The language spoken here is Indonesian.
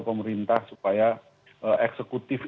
pemerintah supaya eksekutif